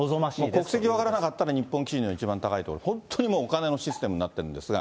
国籍分からなかったら、日本基準の一番高いとこ、本当にもうお金のシステムになってるんですが。